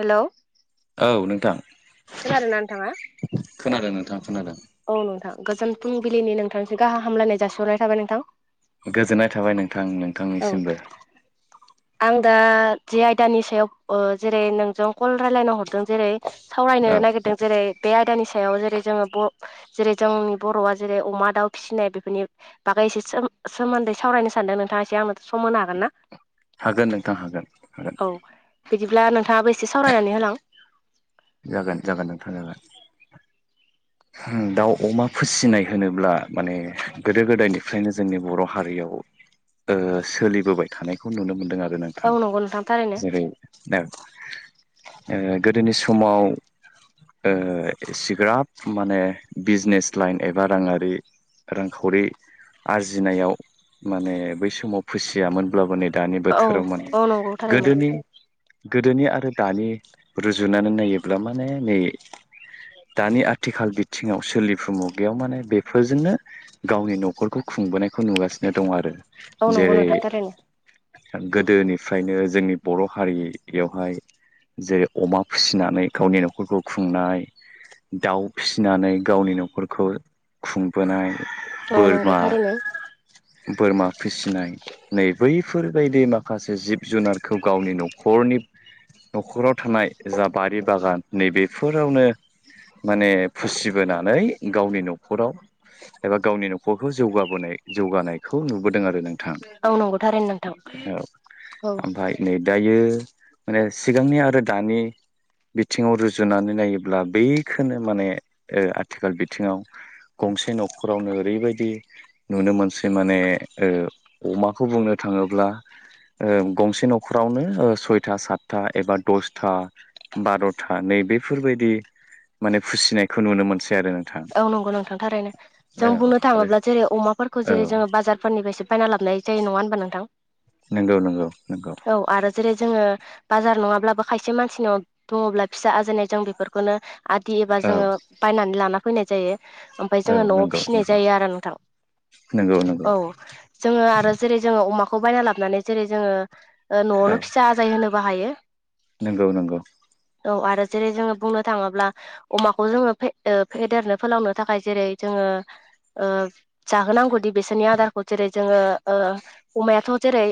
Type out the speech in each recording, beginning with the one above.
Hello औ नोंथां खोनादोंना नोंथाङा? खोनादों नोंथां खोनादों। औ नोंथां गोजोन फुंबिलिनि नोंथांसो गाहाम हामलायनाय जासिहरनाय थाबाय नोंथां। गोजोननाय थाबाय नोंथां औ नोंथांनिसिमबो। आं दा जे आयदानि सायाव जेरै नोंजों कल रायलायना हरदों। जेरै सावरायनो औ नागिरदों जेरै बे आयदानि सायाव जेरै जोङो जेरै जोंनि बर'आ जेरै अमा दाउ फिसिनाय बेफोरनि बागैसे सोमोन्दै सावरायनो सानदों नोंथाङा एसे आंनो' सम होनो हागोन ना। हागोन नोंथां हागोन हागोन औ बिदिब्ला नोंथाङाबो एसे सावरायनानै होलां जागोन जागोन नोंथां जाबाय। दाउ अमा फिसिनाय होनोब्ला माने गोदो गोदायनिफ्रायनो जोंनि बर' हारियाव [inaudible] सोलिबोबाय थानायखौ नुनो मोनदों आरो औ नोंथां। नंगौ नोंथां थारैनो जेरै गोदोनि समाव सिग्राब माने बिजनेस लाइन एबा राङारि रांखावरि आरजिनायाव माने बै समाव फिसियामोनब्लाबो नै दानि औ बोथोराव माने औ नंगौ थारैनो गोदोनि गोदोनि आरो दानि रुजुनानै नायोब्ला माने नै दानि [inaudible] आथिखाल बिथिङाव सोलिफु मुगायाव माने बेफोरजोंनो गावनि न'खरखौ खुंबोनायखौ नुगासिनो। दं आरो। औ नंगौ जेरै नोंथां थारैनो गोदोनिफ्रायनो जोंनि बर' हारियावहाय जेरै अमा फिसिनानै गावनि न'खरखौ खुंनाय दाउ फिसिनानै गावनि न'खरखौ खुं बोनाय औ नंगौ बोरमा थारैनो बोरमा फिसिनाय नै बै बेफोरबायदि माखासे जिब जुनारखौ गावनि न'खरनि न'खराव थानाय जा बारि बागान नैबेफोरावनो माने फिसिबोनानै गावनि न'खराव एबा गावनि न'खरखौ जौगाबोनाय जौगानायखौ नुबोदों। जादों आरो नोंथां औ नंगौ थारैनो नोंथां औ औ ओमफ्राय नै दायो। माने सिगांनि आरो दानि बिथिङाव रुजुनानै नायोब्ला बेखौबो माने आथिखाल बिथिङाव गंसे न'खरावनो ओरैबायदि नुनो मोनसै माने। अमाखौ बुंनो थाङोब्ला गंसे न'खरावनो सयथा सातथा एबा दसथा बार'था नै बेफोरबायदि माने फिसिनायखौ नुनो मोनसै आरो नों औ नंगौ नोंथांथारैनो जों बुंनो आरो थाङोब्ला जेरै अमाफोरखौ औ जेरै जोङो बाजारफोरनिफ्रायसो बायना लाबोन नंगौ नंगौ नंगौ ज ज ब खायसे मानसिन दङब्ला फिसा आजायनाय जों बेफोरखौनो आदि एबा औ जोङो बायनानै लाना फैनाय जायो ओमफ्राय औ जोङो न'आव नंगौ फिसिनाय जायो आरो नोंथां नंगौ नंगौ नंगौ औ जोङो आरो जेरै जोङो अमाखौ बायना लाबोनानै जेरै जोङो औ न'वावनो फिसा आजाय होनो बाहायो नंगौ नंगौ औ आरो जेरै जोङो बुंनो थाङोब्ला अमाखौ जोङो फेदेरनो फोलावनो थाखाय जेरै जोङो ओ जाहोनांगौदि बेसोरनि आदारखौ जेरै जोङो ओ अमायाथ' जेरै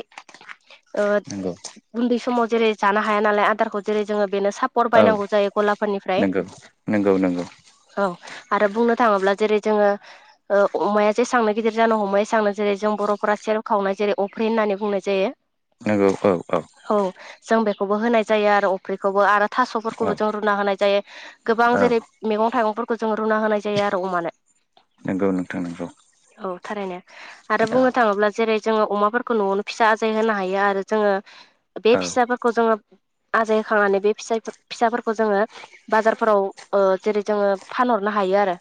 नंगौ उन्दै समाव जेरै जानो हाया नालाय आदारखौ जेरै जोङो बेनो सापर औ बायनांगौ जायो गलाफोरनिफ्राय नंगौ नंगौ नंगौ औ आरो बुंनो थाङोब्ला जेरै जोङो अमाया जेसांनो गिदिर जानो हमो एसांनो जेरै जों बर' फोरा सेरेब खावनाय जेरै अफ्रि होननानै बुंनाय जायो नंगौ औ औ जों बेखौबो होनाय जायो आरो अफ्रिखौबो आरो औ थाख'फोरखौबो जों रुना होनाय जायो गोबां औ जेरै मेगं थाइगं जों रुना होनाय जायो आरो अमानो नंगौ नोंथां नंगौ औ थारैनो आरो औ बुंनो थाङोब्ला जेरै जोङो अमाफोरखौ न'वावनो फिसा आजाय होनो हायो आरो जोङो बे औ फिसाफोरखौ जोङो आजाय होखांनानै बे फिसा फिसाफोरखौ जोङो बाजारफोराव जेरै जोङो फानहरनो हायो आरो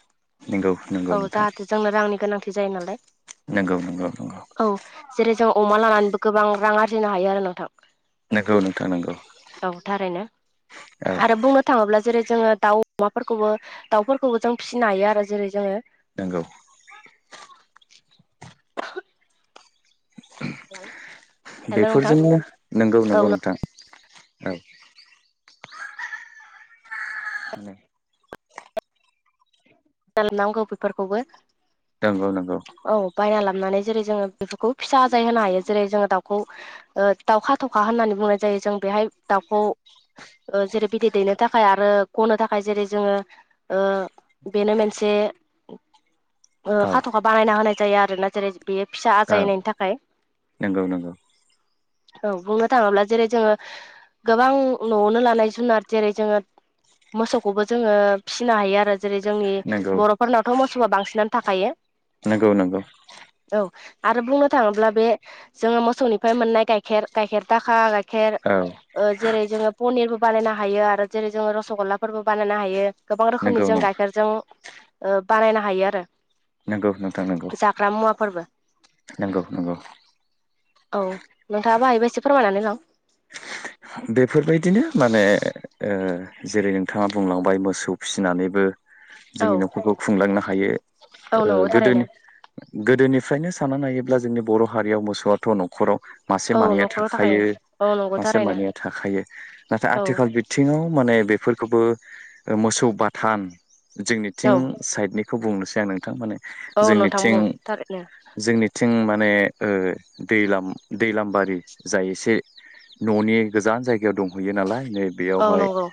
नंगौ नंगौ औ नोंथां जाहाथे जोंनो रांनि गोनांथि जायो नालाय नंगौ नंगौ औ जेरै जों अमा लानानैबो गोबां रां आरजिनो हायो आरो नोंथां नंगौ नंगौ नोंथां नंगौ औ थारैनो औ आरो बुंनो थाङोब्ला जेरै जोङो दाउ अमाफोरखौबो दाउफोरखौबो जों फिसिनो हायो आरो जेरै जोङो नोंगौ [inaudible] [unintelligible] नोंथां बेफोरजोंनो नंगौ औ नंगौ नोंथां औ [inaudible] बानायनांगौ बेफोरखौबो नंगौ नंगौ औ बायना लाबोनानै जेरै जोङो बेफोरखौ फिसा आजाय होनो हायो जेरै जोङो दाउखौ दाउखा थ'खा होननानै बुंनाय जायो जों बेहाय दाउखौ जेरै बिदै दैनो थाखाय आरो गनो थाखाय जेरै जोङो बेनो मोनसे औ खाथ'खा बानायना होनाय जायो आरोना जेरै बेयो फिसा औ आजायनायनि थाखाय नंगौ नंगौ औ बुंनो थाङोब्ला जेरै जोङो गोबां न'आवनो लानाय जुनार जेरै जोङो मोसौखौबो जोङो फिसिनो हायो आरो जेरै जोंनि नंगौ बर'फोरनावथ' मोसौआ बांसिनानो थाखायो नंगौ नंगौ औ आरो बुंनो थाङोब्ला बे जोङो मोसौनिफ्राय मोननाय गाइखेर गाइखेर दाखा गाइखेर औ जेरै जोङो पनिरबो बानायनो हायो आरो जेरै जोङो रस'गल्लाफोरबो बानायनो हायो गोबां रोखोमनि नंगौ नंगौ जों गाइखेरजों ओ बानायनो हायो आरो नंगौ नोंथां नंगौ जाग्रा मुवाफोरबो नंगौ नंगौ औ नोंथाङाबो हायोबा एसे फोरमायनानै होलां बेफोरबायदिनो माने ओ जेरै नोंथाङा बुंलांबाय मोसौ फिसिनानैबो औ जोंनि न'खरखौ खुंलांनो हायो औ नंगौ थारैनो गोदोनिफ्रायनो साननानै नायोब्ला जोंनि बर' हारियाव मोसौवाथ' न'खराव मासे औ मानैया न'खराव थाखायो औ नंगौ मासे थारैनो मानैया थाखायो नाथाय औ आथिखाल बिथिङाव माने बे बेफोरखौबो मोसौ बाथान औ जोंनिथिं साइडनि खौ बुंनोसै आं नोंथां माने औ नोंथां जोंनिथिं बुं थारैनो जोंनि थिं माने दै दैलामबारि जाय एसे न'नि गोजान जायगायाव दंहैयो नालाय नै औ बेयावहाय नंगौ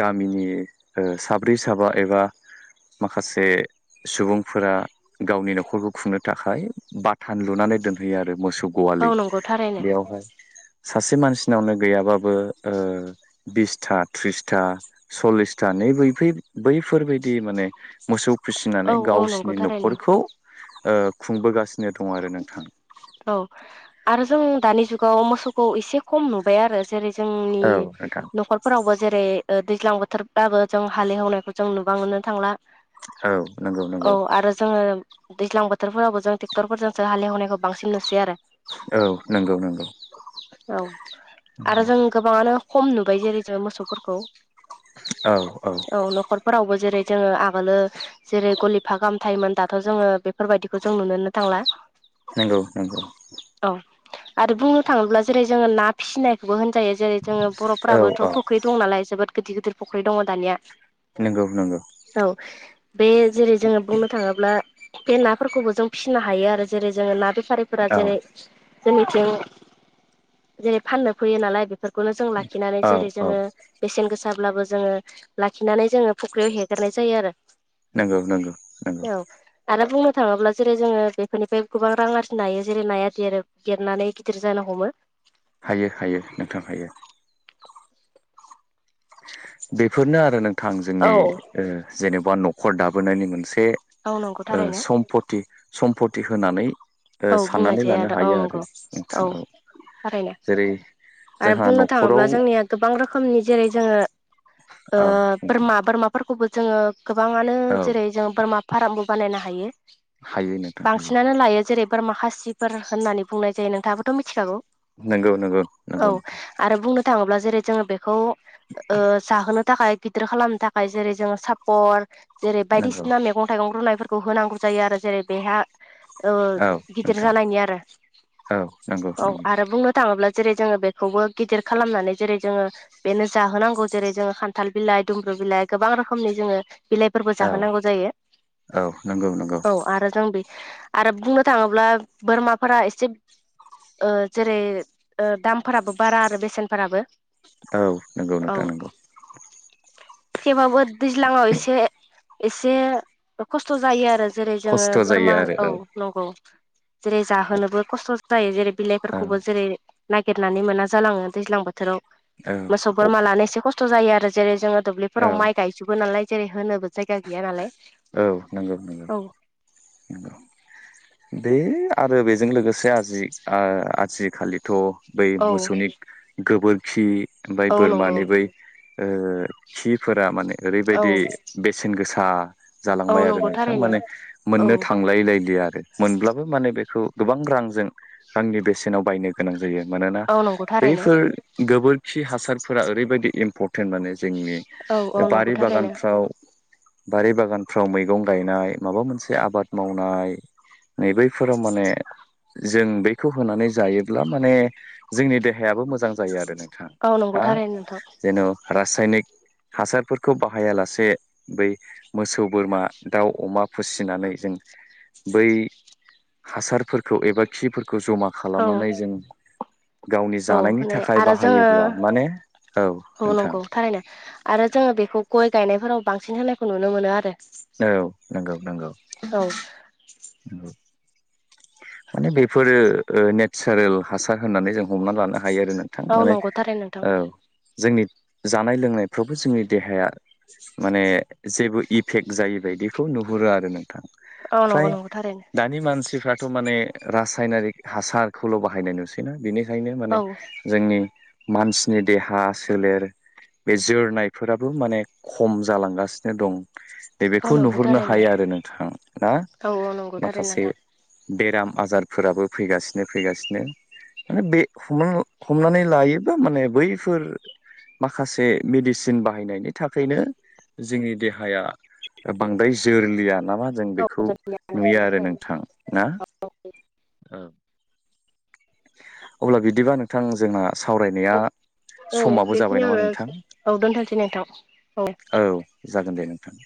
गामि मिनि साब्रै साबा एबा माखासे सुबुंफोरा गावनि न'खरखौ खुंनो थाखाय बाथान लुनानै मसौ औ गलि नंगौ थारैनो बेयावहाय सासे मानसिनावनो गैयाबाबो बिसथा तिरिसथा सलिसथा बै बेफोरबायदि माने मोसौ फिसिनानै औ औ नंगौ गावसोरनि थारैनो न'खरखौ खुंबोगासिनो। नो दं आरो नोंथां। औ आरो जों दानि जुगाव मोसौखौ एसे खम नुबाय आरो जेरै जोंनि औ नोंथां न'खरफोरावबो जेरै दैज्लां बोथोरब्लााबबो जों हालेवनायखौ जों नुबां नो थांला औ नंगौ औ नंगौ आरो जोङो दैज्लां बोथोरफोरावबो जों ट्रेक्टरफोरजोंसो हालएवनायखौ बांसिन नुसै आरो। औ नंगौ नंगौ औ आरो नंगौ जों गोबाङानो खम नुबाय जेरै जों मोसौफोरखौ औ न'खरफोरावबो जेरै जोङो आगोलो जेरै गलिफा गाहाम थायोमोन दाथ' जोङो बेफोरबायदिखौ जों नुुनोनो थांला। नोंंगौ नोंगौ औ आरो बुंनो थाङोब्ला जेरै जोङो ना फिसिनायखौबो होन जायो जेरै जोङो औ बर'फ्राबोथ' औ फुख्रि दं नालाय जोबोद गिदिर गिदिर फुख्रि दङ दानिया नंगौ नंगौ औ बे जेरै जोङो बुंनो थाङोब्ला बे नाफोरखौबो जों फिसिनो हायो आरो जेरै जोङो ना बे बेफारिफोरा औ जेरै जोंनिथिं जेरै फाननो फैयो नालाय बे नो जों लाखिनानै औ जेरै औ जोङो बेसेन गोसा। जाब्लाबो जोङो लाखिनानै जोङो फुख्रियाव हेगारनाय जायो आरो। नंगौ नंगौ नंगौ औ आरो बुंनो थाङोब्ला जेरै जोङो बे बेफोरनिफ्राय गोबां रां आरजि नायो जेरै नायाादि आरो देरनानै गिदिर जानो हमो। हायो हायो नोंथां हायो। बेफोरनो आरो नोंथां जोंनि औ जेनेबा न'खर दाबोनायनि मोनसे नंगौ बे थारैनो सम्पति सम्पति होनानै औ साननानै बुंनायसै लानो आदा औ हायो आरो नंगौ औ नोंथाङाव थारैनो जेरै आरो जोंहा बुंनो थाङोब्ला न'खराव जोंनिया गोबां रोखोमनि जेरै जोङो औ नोंथां बोरमा बोरमाफोरखौबो जोङो गोबाङानो औ जेरै जों बोरमा फार्मबो बानायनो हायो हायो नोंथां हायो बांसिनानो लायो। जेरै फोर माखासिफोर होननानै बुंनाय जायो नोंथाङाबोथ' मिथिखागौ नंगौ नंगौ औ नंगौ नोंथां आरो बुंनो थाङोब्ला जेरै जोङो बेखौ जाहोनो थाखाय गिदिर खालामनो थाखाय जेरै जोङो सापर जेरै नंगौ बायदिसिना मैगं थाइगं रुनायफोर खौ होनांगौ जायो आरो जेरै बेहा औ गिदिर नोंथां जालायनि आरो औ नंगौ औ नंगौ आरो बुंनो थाङोब्ला जेरै जोङो बेखौबो गिदिर खालामनानै जेरै जोङो बेनो जाहोनांगौ जेरै जोङो खान्थाल बिलाइ दुमब्रु गोबां रोखोमनि जोङो बिलाइफोरबो औ जाहोनांगौ जायो औ नंगौ नंगौ औ आरो जों बे आरो बुंनो थाङोब्ला बोरमाफोरा एसे जेरै दामफोराबो बारा आरो बेसेनफोराबो औ नंगौ नोंथां नंगौ थेवबबो दैज्लाङाव एसे एसे खस्थ' जायो आरो। जेरै जोङो खस्थ' जायो बोरमा आरो औ नंगौ जेरै औ जाहोनोबो खस्थ' जायो जेरै औ बिलाइफोरखौबो जेरै नागिरनानै मोना जालाङो दैज्लां बोथोराव मोसौ औ बोरमालानो एसे खस्थ' जायो आरो जेरै जोङो औ दुब्लिफोराव माइ गायजोबो नालाय जेरै होनो जायगा गैया नालाय नंगौ नंगौ औ बे आरो बेजों लोगोसे आजि आजिखालिथ' बै औ मोसौनि गोबोरखि ओमफफ्राय औ नंगौ बोरमानि बै खिफोरा माने औ ओरैबायदि बेसेन गोसा औ जालांबाय आरो नंगौ नोंथां थारैनो माने औ मोननो थांलायलाय आरो मोनबो माने बेखौ गोबां रांजों रांनि बेसेनाव बायनो गोनां जायो मानोना औ नंगौ थारैनो बैफोर गोबोरखि हासारफोरा ओरैबायाददि इम्परटेन्ट माने जोंनि औ औ नंगौ बारि थारैनो बागानफ्राव बारि बागानफ्राव मैगं गायनाय माबा मोनसे आबाद मावनाय नै बैफोराव माने जों बखौ होनानै जायोब्ला माने जोंनि देहायाबो मोजां जायो आरो ना औ नंगौ हा थारैनो नोंथां जेन' रासायनिक हासारफोरखौ बाहायालासे बै मोसौ बोरमा दाउ अमा फुसि फ ज बै हासारफोरखौ एबा खि खौ जमा औ खालामनानै जों गावनि औ जानायनि माने थाखाय आरो जोङो बाहायोब्ला माने औ नंगौ थारैनो आरो जोङो बेखौ गय गायनायफोराव बांसिन होनायखौ नुनो मोनो आरो औ नंगौ नंगौ औ नंगौ माने बेफोरो नेचारेल हासार होननानै जों हमना लानो ह हायो आरो नोंथां औ माने नंगौ थारैनो नोंथां जोंनि जानाय लोंनायफ्रावबो जोंनि देहाया माने जेबो इफेक्ट जाय बायदिखौ नुहुरो आरो नोंथां औ नंगौ फ्राय नंगौथारैनो दानि मानसिफ्राथ' माने रासायनारिक हासारखौल' बाहायनाय नुसैनानि बेखायनो माने औ जोंनि मानसिनि देहा सोलेर बे जोरनायफोराबो माने खम जालांगासिनो दं दे औ बेखौ नंगौ नुहुरनो थारैनो हायो आरो नोंथाङा ना औ औ नंगौथार माखासे नोंथां बेराम आजारफोराबो फैगासिनो फैगासिनो माने बे हमनानै लायोबा माने बैफोर माखासे मेडिसिन बाहायनायनि थाखायनो जोंनि देहाया बांद्राय जोरलिया नामा जों औ बेखौ नुयो आरो नोंथां ना औ अब्ला बिदिबा नोंथां जोंना सावरायनाया औ समाबो जाबाय नामा बेखिनियावनो नोंथां औ दोनथ'नोसै नोंथां औ जागोन दे नोंथां